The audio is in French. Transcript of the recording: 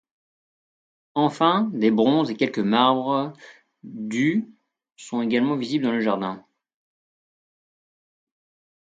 Enfin, des bronzes et quelques marbres du sont également visibles dans le jardin.